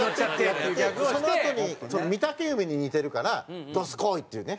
そのあとに御嶽海に似てるから「どすこい！」っていうね。